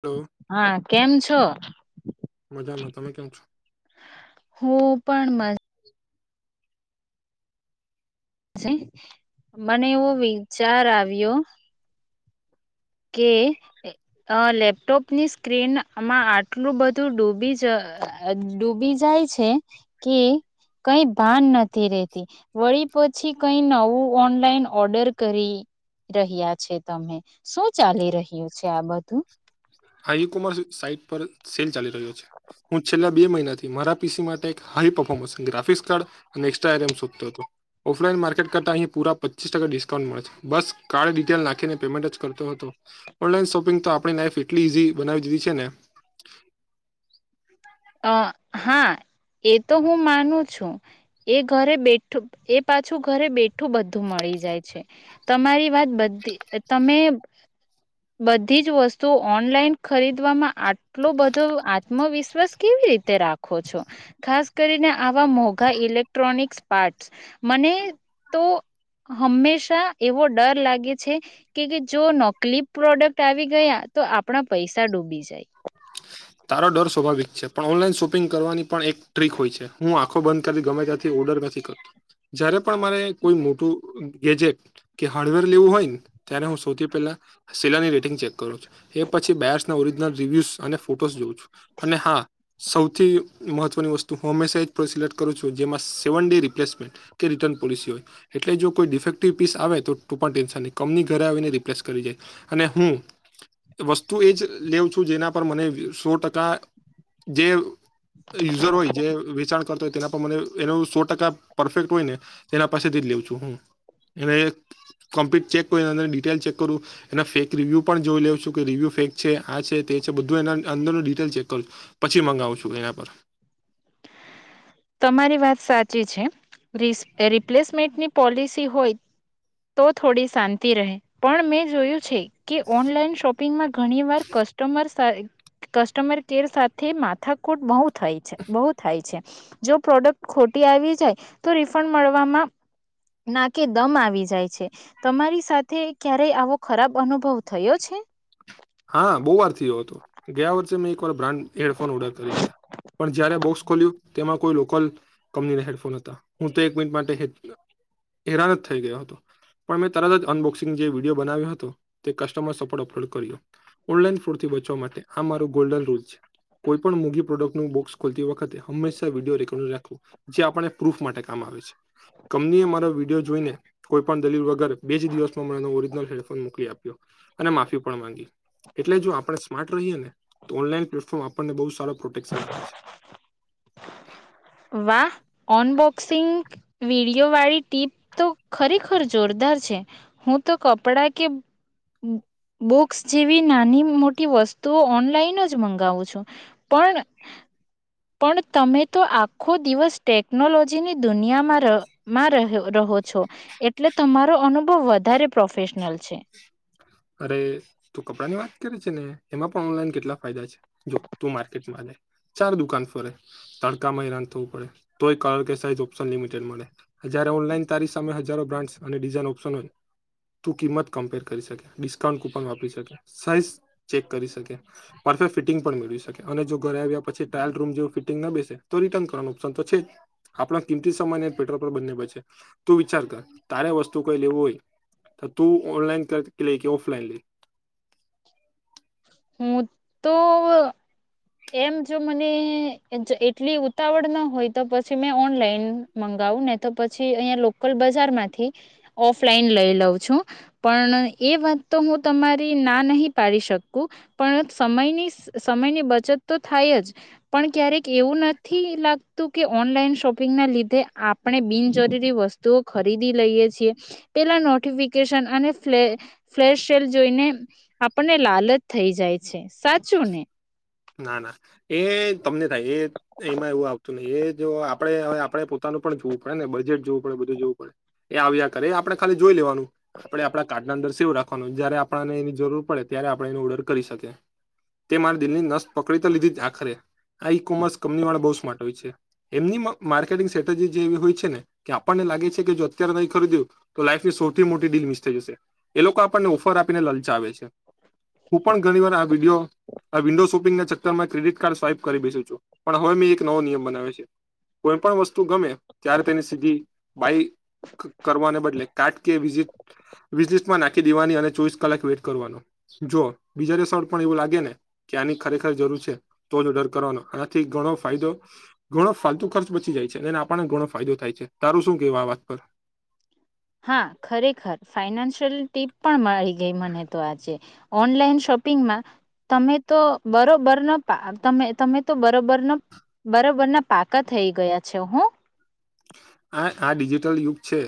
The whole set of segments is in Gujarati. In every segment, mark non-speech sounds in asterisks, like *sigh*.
હલો હા, કેમ છો? મજામાં તમે કેમ છો હુ પણ મ *unintelligible* મને એવો વિચાર આવ્યો કે અ લેપટોપની સ્ક્રીનમાં આટલું બધું ડૂબી જ ડૂબી જાય છે કે કઈ ભાન નથી રેતી. વળી પછી કઈ નવું ઓનલાઈન ઓર્ડર કરી રહ્યા છે તમે. શું ચાલી રહ્યું છે આ બધું? હા, ઈ-કોમર્સ સાઈટ પર સેલ ચાલી રહ્યો છે. હું છેલ્લા બે મહિનાથી મારા પીસી માટે એક હાઈ પર્ફોર્મન્સ ગાફિક્સ કાર્ડ અને એક્સ્ટા આરએમ શોધતો હતો. ઓફલાઈન માર્કેટ કરતા અહી પુરા પચીસ ટકા ડિસ્કાઉન્ટ મળે છે. બસ કાર્ડ ડીટેલ નાખીને પેમેન્ટ જ કરતો હતો. ઓનલાઈન શોપિંગ તો આપડી લાઈફ એટલી ઈઝી બનાવી દીધી છે ને. અ હા. એ તો હું માનું છું. એ ઘરે બેઠું એ પાછું ઘરે બેઠું બધું મળી જાય છે. તમારી વાત બધી તમે બધી જ વસ્તુ ઓનલાઈન ખરીદવામાં આટલો બધો આત્મવિશ્વાસ કેવી રીતે રાખો છો. ખાસ કરીને આવા મોઘા ઇલેક્ટ્રોનિક પાર્ટ મ ને *inaudible* હંમેશા એવો ડર લાગે છે કે જો નકલી પ્રોડક્ટ આવી ગયા તો આપડા પૈસા ડૂબી જાય. તારો ડર સ્વાભાવિક છે. પણ ઓનલાઈન શોપિંગ કરવાની પણ એક ટ્રીક હોય છે. હું આ આખો બંધ કરી ગમે ત્યાંથી ઓર્ડર નથી કરતો. જયારે પણ મારે કોઈ મોટું ગેજેટ કે હાર્ડવેર લેવું હોય ન ત્યારે હું સૌથી પહેલા સેલાની ચેક કરું છું એ પછી બચ ના ઓરિજનલ રિવ્યુ અને ફોટોસ જોઉં છું અને હા સૌથી મહત્વની વસ્તુ હંમેશા જ સિલેક્ટ કરું છું જેમાં સેવન ડી રિપ્લેસમેન્ટ કે રિટર્ન પોલિસી હોય એટલે જો કોઈ ડિફેક્ટિવ પીસ આવે તો ટું પણ ટેન્શન નહીં કંપની ઘરે આવીને રિપ્લેસ કરી જાય અને અને હું વસ્તુ એ જ લેઉ છું જેના પર મને સો ટકા જે યુઝર હોય જે વેચાણ કરતો હોય તેના પર મને એનું સો ટકા પરફેક્ટ હોય ને એના પાસે થી લઉ છું હું એને કમ્પ્લીટ ચેક કર અંદર ડિટેલ ચેક કરું એના ફેક રિવ્યુ પણ જોઈ લઉં છું કે રિવ્યુ ફેક છે આ છે તે બધું એ અંદરનું ડિટેલ ચેક કરું પછી મંગાવું છું એના પર. તમારી વાત સાચી છે રીસ રિપ્લેસમેન્ટની પોલિસી હોય તો થોડી શાંતિ રહે પણ મેં જોયું છે કે ઓનલાઈન શોપિંગમાં ઘણીવાર કર કસ્ટમર સાર કસ્ટમર કેર સાથે માથાકૂટ બહુ થાય છે બહ થાય છે. જો પ્રોડક્ટ ખોટી આવી જાય તો રિફંડ મળવામાં ના કે દમ આવી જાય છે. તમારી સાથે ક્યારેય આવો ખરાબ અનુભવ થયો છે? હા બહુ વાર થયો હતો ગયા વર્ષે મેં બ્રાન્ડ હેડફોન ઓર્ડર કર્યા હતા પણ જયારે બોક્સ ખોલ્યું તેમાં કોઈ લો કલ કંપનીના હેડફોન હતા હું તો એક મિનિટ માટે હેરાન જ થઈ ગયો હતો. પણ મેં તરત જ અનબોક્સિંગ જે વિડીયો બનાવ્યો હતો તે કસ્ટમર સપોર્ટ અપલોડ કર્યો. ઓલન ફોડ થી બચવા માટે આ મારું ગોલ્ડન રૂલ છે. કોઈ પણ મુઘી પ્રોડક્ટ નું બોક્સ ખોલતી વખતે હંમેશા વિડીયો રેકોર્ડિંગ રાખવું, જે આપણે પ્રૂફ માટે કામ આ આવે છે. કંપની એ મારો વિડીયો જોઈને કોઈ પણ દલીલ વગર બે જ દિવસમાં મને એને ઓરિજિનલ હેડફોન મોકલી આપ્યો, અને માફી પણ માંગી. એટલે જો આપડે સ્માર્ટ રહીએે ને તો ઓનલાઈન પ્લેટફોર્મ આપણને બહું સારો પ્રોટેકશન આપે છે. વાહ! ઓન બોક ક્સિંગ વિડીયો વાળી ટીપ તો ખરેખર જોરદાર છે. હું તો કપ *unintelligible* કે બુક્સ જેવી નાની મોટી વસ્તુઓ ઓનલાઈન જ મંગાવું છું, પણ પણ તમે તો આખો દિવસ ટેકનોલોજીની દુનિયામાં રહ માં રહ-રહ હો છો, એટલે તમારો અનુભવ વધારે પ્રોફેશનલ છે. અરે તું કપડા ની વાત કરે છે ને એમાં પણ ઓનલાઈન કેટલા ફાયદા છે. જો તું માર્કેટમાં ને ચાર દુકાન ફરે, તડકામાં હેરાન થવું પડે તોય કલર કે સાઈઝ ઓપ્શન લિમિટેડ મળે, જ્યા રે ઓનલાઈન તારી સામે હજારો બ્રાન્ડ અને ડિઝાઇન ઓપ્શન હોય, તું કિંમત કમ્પેર કરી શકે. ડિસ્કાઉન્ટ કુપન વાપરી શકે, સાઈઝ ચેક કરી શકે, પરફેક્ટ ફિટિંગ પણ મેળવી શકે અને જો ઘર રે આવ્યા પછી ટાયલ રૂમ ફિટિંગ ન બેસે તો રિટર્ન કરવાનું ઓપ્શન તો છે જ. આપણા કિંમતી સમયને *unintelligible* બંને બચે તું વિચાર કર, તારે વસ્તુ કઈ દેવું હોય, તો તું ઓનલાઈન લે કે ઓફલાઇન લે. હું તો અ એમ જો મને જો એટલી જ ઉતાવળ ન હોય તો પછી મેં ઓનલાઈન મંગ ગાવુંને નહીં તો પછી અહીયા લોકલ બજાર માંથી, ઓફલાઈન લઈ લઉ છું. પણ એ વાત તો હું તમારી ના નહીં પાડી શક કુ પણ સમયની-સમયની બચત તો થાય જ, પણ ક્યારેક એવું નથી લાગતું કે ઓનલાઈન શોપિંગના લીધે આપણે બિનજરૂરી વસ્તુઓ ખરીદી લઈએ છીએ. પેલા નોટિફિકેશન અને ફલે ફ્લેશ સેલ જોઈને આપણને લાલચ થઈ જાય છે. સાચું ને? ના, ના એ તમને થાય એ એમાં એવું આવતું નહી એ જો આપડે હવે આપડે હવે પોતાનું પણ જોવું પડે ને, બજેટ જોવું પડે, બધું જોવું પડે, એ આવ્યા કરે એ આપડે ખાલી જોઈ લેવાનું. આપડે આપણા કાર્ડના અંદર સેવ રાખવાનું જયારે આપણને એની જરૂર પડે ત્યારે આપણે એનો ઓર્ડર કરી શકીએ. તે મારા દિલની નસ પકડી તો લીધી જ આખરે. આ ઈ કોમર્સ કંપની વાળા બહું સ્માર્ટ હોય છે. એમની મ માર્કેટિંગ સ્ટ્રેટેજી જે એવી હોય છે ને કે આપણને લાગે છે કે જો અત્યારે નહીં ખરીદ્યું તો લાઈફ ઈસ સૌથી મોટી ડીલ મિસ થઈ જશે. એ લોકો આપણને ઓફર આપીને લલચાવે છે. હું પણ ઘણી વાર આવ વિડિયો અહ વિન્ડો સૂ ચક્કરમાં ક્રેડિટ કાર્ડ સ્વાઈપ કરી બેસું છું, પણ હવે મેં એક નવો નિયમ બનાવ્યો છે. કોઈ પણ વસ્તુ ગમે ત્યારે તેની સીધી બાઈ ક કરવાને બદલે કાટ કે બીજ *inaudible* વિશલિસ્ટમાં નાખી દેવાની અને ચોવીસ કલાક વેટ કરવાનું. જો બીજાને દિવસે પણ એવું લાગે ને કે આની ખરેખ ર જરૂર છે, તો જ ઓડર કરવાનો, આનાથી ઘણો ફાયદો, ઘણો ફાલતુ ખર્ચ બચી જાય છે. જેને આપણા ઘણો ફાયદો થાય છે. તારું શું કેવું આ વાત પર? હા ખરેખર ફાઈનાન્શિયલ ટીપ પણ મળી ગઈ મને તો આજે. ઓનલાઈન શોપ પિંગમાં તમે તો બરોબરના પા તમે-તમે તો બરોબર નો બરોબર ના પાકા થઈ ગયા છે હો. *inaudible* આ આ ડિજિટલ યુગ છે.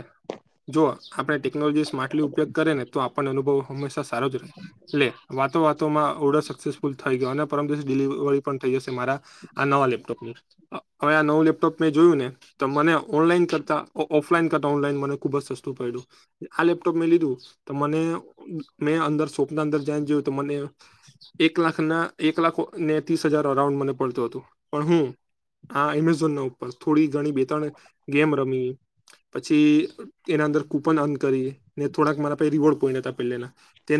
જો આપણે ટેકનોલોજી સ્માર્ટલી ઉપયોગ કરેને તો આ પણને અનુભવ હંમેશા સારો જ રહે, એટલે વાતો વાતોમાં ઓર્ડર સક્સેસફુલ થઈ ગયો, અને પરમ દિવસે ડિલી વરી પણ થઈ જશે મારા આ નવા લેપટોપની. હવે આ નવું લેપટોપ મેં જોયું ને તો મને ઓનલાઈન કરતા અ ઓફલાઈન કરતા ઓનલાઈન મને ખુબ જ સસ્તું પયડું. આ લેપટોપ મેં લીધું તો મને મેં અંદર સ્વપના અંદર જને જોયું તો મને એક લાખ ના એક લાખ ને ત્રીસ હજાર અરાઉન્ડ મને પડતું હતું પણ હું હા એમેઝોન ના ઉપર થોડી ઘણી બે ત્રણ ગેમ રમી પછી એના અંદર કૂપન અન કરી ને થોડાક મારા પછ રિવોર્ડ કોઈ ન પેલાના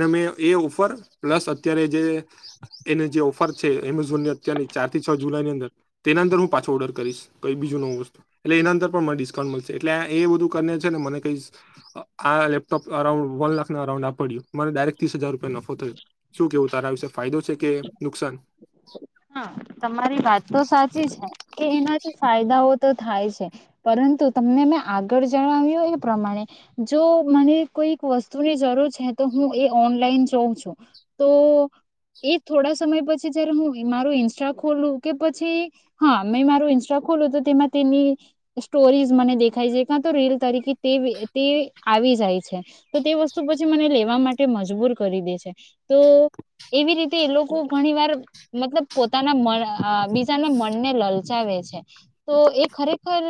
મેં એ ઓફર પ્લસ અત્યારે જે એ જે ઓફર છે એમેઝોન ની અત્યાર ચાર થી જુલાઈની અંદર તેના અર હું પાછો ઓર્ડર કરીશ કઈ બીજુ નવું વસ્તુ એટલે એના અંદર મને ડિસ્કાઉન્ટ મળસે એટલે એ બધું મને ક આ લેપટોપ અરાઉન્ વન લાખ ના અરાઉ પડ્યું મને ડરેક ત્રીસ હજાર રૂપિયા નફો થયો શું કેવું તાર આ વીશે ફાયદો છે કે નુકસાન હા તમારી વાત તો સાચી છે કે એના ફાયદાઓ તો થાય છે પરંતુ તમને મેં આગળ જણાવ્યું એ પ્રમાણે જો તો મને કોઈ વસ્તુની જરૂર છે તો હું એ ઓનલાઈન જોઉં છું તો એ થોડા સમય પછી જયારે હું મારું ઇન્સ્ટા ખોલું કે પછી હા મેં મારું ઈન્સ્ટા ખોલું તો તેમાં તેની સ્ટોરીઝ મને દેખાય છે ક તો રીલ તરીકે તે આવી જાય છે તો તે વસ્તુ પછી લેવા માટે મજબૂર કરી દે છે તો એવી રીતે એ લોકો ઘણી વાર મતલબ પોતાના મન અ બીજાના મનને લલચાવે છે તો એ ખરેખર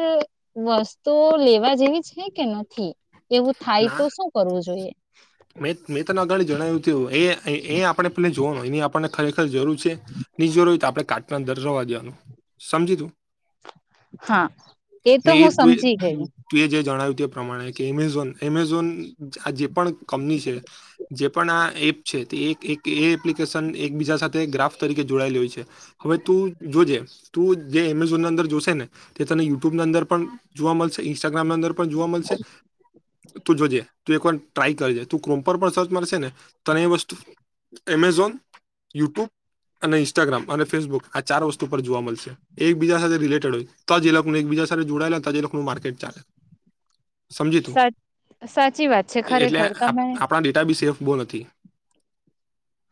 વસ્તુઓ લેવા જેવી છે કે નથી એવું થાય ના તો શું કરવું જોઈએ મે મેં તને અગાળ જણાવ્યું તયું એ એ આપણે પે જોવાનુંય એની આપણને ખરેખર જરૂર છે ની જરૂર હોય તો આપડણે કાટના અંદર રવા દેવાનું સમજી તું હા તો ને એ હું તું સમજી ગઈ તું એ જે જણાવ્યું તે પ્રમાણે કે એમેઝોન એમેઝોન આ જે પણ કંપની છે જે પણ આ એપ છે તે એક એપ્લિકેશન એકબીજા સાથે ગ્રાફ તરીકે જોડાયેલી હોય છે હવે તું જોજે તું જે એમેઝોન અંદર જોશે ને તે તને યુટ્યુબ અંદર પણ જોવા મળશે ઇન્સ્ટાગ્રામની અંદર પણ જોવા મળશે તું જોજે તું એકવાર ટ્રાય કરજે તું ક્રોમ પર પણ સર્ચ મારશે ને તને એ વસ્તુ એમેઝોન યુટ્યુબ અને ઇન્સ્ટાગ્રામ અને ફેસબુક આ ચાર વસ્તુ પર જોવા મળશે એકબીજા સાથે રિલેટેડ હોય તો જ એ લોકોને એકબીજા જોડાયેલા હતા જે લોકો નું માર્કેટ ચાલે સમજી તું સાચ સાચી વાત છે એટલે ખરેખર તમે આપણા ડેટા બી સેફ બોવ નથી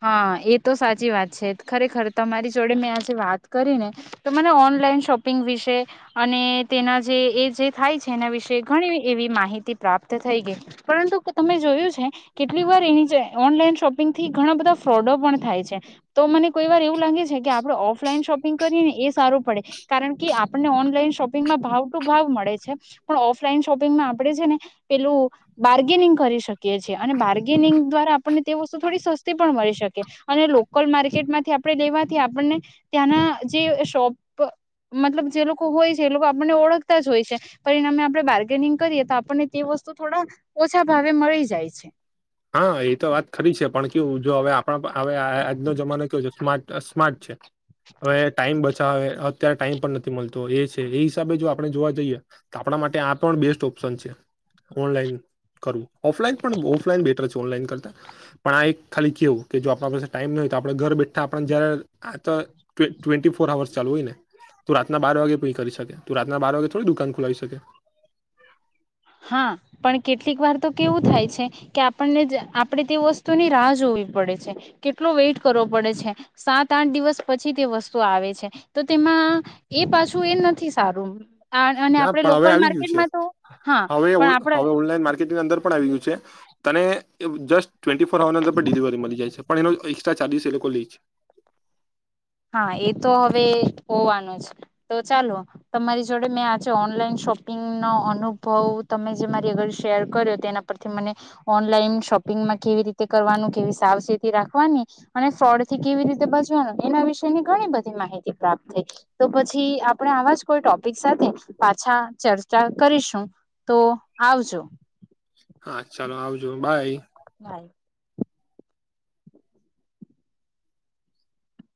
હા એ તો સાચી વાત છે ખરેખર તમારી જોડે મેં આજે વાત કરી ને તો મને ઓનલાઈન શોપિંગ વિશે અને તેના જે એ જે થાય છે એના વિશે ઘણી એવી માહિતી પ્રાપ્ત થઈ ગઈ પરંતુ તમે જોયું છે કેટલી વાર એની જ ઓનલાઈન શોપિંગથી ઘણા બધા ફ્રોડો પણ થાય છે તો મને કોઈ વાર એવું લાગે છે કે આપણેે ઓફલાઈન શોપિંગ કરીએ ને એ સારું પડે કારણ કે આપને ઓનલાઈન શોપિંગમાં ભાવ ટુ ભાવ મળે છે પણ ઓફલાઈન શોપિંગમાં આપણે છે ને પેલું બાર્ગેનિંગ કરી શકીએ છે અને બાર્ગેનિંગ દ્વારા આપણને તે વસ્તુ થોડી પણ મળી શકે અને લોકલ માર્કેટમાંથી આપણે લેવાથી આપણને ત્યાંના જે શોપ *inaudible* મતલબ જે લોકો હોય છે એ લોકો આપણને ઓળખતા જ હોય છે પરિણામે આપડણે બાર્ગેનિંગ કરીએ તો આપણને તેઓ વસ્તુ થોડા ઓછા ભાવે મળી જાય છે. હા એ તો વાત ખરી છે પણ કેવું જો હવે આપણા હવે આજનો જમાનો કેયો છે સ્માર્ટ સ્માર્ટ છે. હવે ટાઈમ બ અચ્છા હવે અત્યારે ટાઈમ પણ નથી મળતો એ છે એ હિસાબે જો આપણે જોવા જઈએ તો આપણા માટે આ પણ બેસ્ટ ઓ ઓપ્શન છે. ઓનલાઇન ઓફલાઈન પણ ઓફલાન ઓનલાઇન કરતા પણ આ એક ખાલી કેવું કે જો આપણા પાસે ટાઈમ હોય તો આપ ઘર બેઠા જ ટ્વેન્ટી ફોર અવર્સ ચાલુ હોય ને તો રાતના બાર વાગે પણ કરી શકે ત રાતના બાર વાગે થોડી દુકાન ખોલાવી શકે. હા પણ કેટલીક વાર તો કેવું થાય છે કે આપણને આપણે તે વસ્તુની રાહ જો જોવી પડે છે. કેટલો વેટ કરવો પડે છે સાત આઠ દિવસ પછી તે વસ્તુ આવે છે તો એ પાછું એ નથી સારું ના આપ પણ હવે લોકલ આવી ગયું છે માર્કેટમાં તો હા હવે પણ આપડે હવે ઓનલાઈન માર્કેટિંગ અંદર પણ આવ્યું છે તને જસ્ટ ટ્વેન્ટી ફોર અર્ની અંદર ડિલિવરી મળી જાય છે પણ એનો એક્સ્ટ્રા ચાર્જિસ એ લોકો એ છે. હા એ તો હવે હોવાનું જ તો ચાલો તમારી જોડે મેં આજે ઓનલાઈન શોપિંગનો અનુભવ તમે જે મારી આગર શેર કર્યો તો એના પરથી મને ઓનલાઈન શોપ શોપિંગમાં કેવી રીતે કરવાનું કેવી સાવચેતી રાખવાની અને ફ્રોડથી કેવી રીતે બચવાનું એના વિશે એની ઘણી બધી માહિતી પ્રાપ્ત થઈ તો પછી આપણે આવા જ કોઈ ટોપિક સાથે પાછા ચર્ચા કરીશું તો આવજો. હા ચાલો આવજો બાય. બાય.